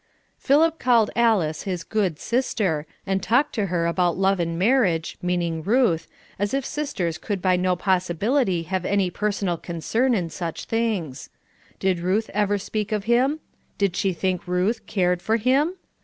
Philip called Alice his good sister, and talked to her about love and marriage, meaning Ruth, as if sisters could by no possibility have any personal concern in such things. Did Ruth ever speak of him? Did she think Ruth cared for him?